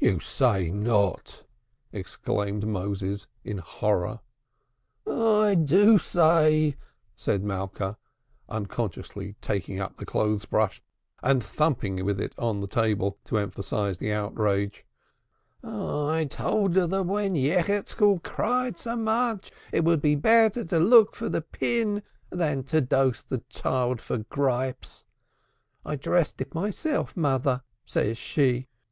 "You say not!" exclaimed Moses in horror. "I do say," said Malka, unconsciously taking up the clothes brush and thumping with it on the table to emphasize the outrage. "I told her that when Yechezkel cried so much, it would be better to look for the pin than to dose the child for gripes. 'I dressed it myself, Mother,' says she.